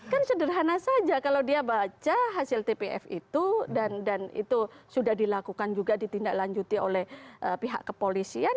kan sederhana saja kalau dia baca hasil tpf itu dan itu sudah dilakukan juga ditindaklanjuti oleh pihak kepolisian